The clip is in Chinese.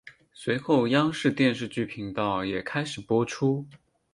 随后央视电视剧频道也开始播出。